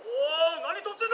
何撮ってんだ！